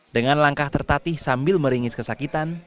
dengan langkah tertatih sambil meringis kesakitan